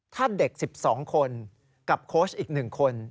ถ้าเด็ก๑๒คนกับโค้ชอีก๑คน